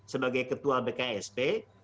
sebagai ketua bksb